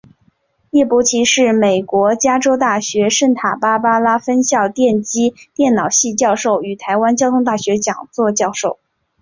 叶伯琦是美国加州大学圣塔芭芭拉分校电机电脑系教授与台湾交通大学讲座教授。